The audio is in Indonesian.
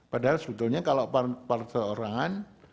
padahal sebetulnya kalau perseorangan